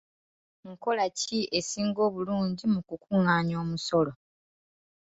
Nkola ki esinga obulungi mu ku kungaanya omusolo?